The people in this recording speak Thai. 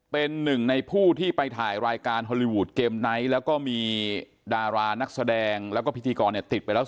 เป็นหนึ่งในผู้ที่ไปถ่ายรายการฮอลลีวูดเกมไนท์แล้วก็มีดารานักแสดงแล้วก็พิธีกรเนี่ยติดไปแล้ว